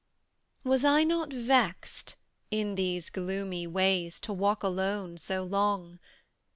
Was I not vexed, in these gloomy ways To walk alone so long?